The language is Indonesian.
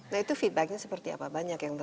nah itu feedbacknya seperti apa banyak yang